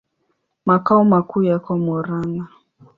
Makao makuu yako Murang'a.